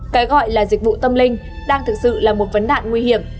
cái gọi là dịch vụ tâm linh đang thực sự là một vấn đạn nguy hiểm